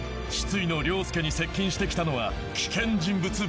失意の凌介に接近して来たのは危険人物